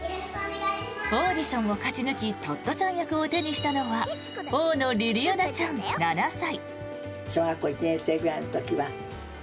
オーディションを勝ち抜きトットちゃん役を手にしたのは大野りりあなちゃん、７歳。